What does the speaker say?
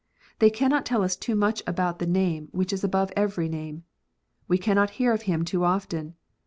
They cannot tell us too much about the name which is above every name. We cannot hear of Him too often.